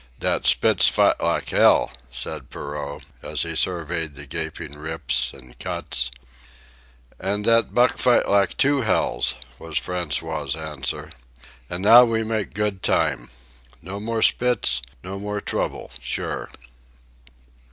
"Dat Spitz fight lak hell," said Perrault, as he surveyed the gaping rips and cuts. "An' dat Buck fight lak two hells," was François's answer. "An' now we make good time. No more Spitz, no more trouble, sure."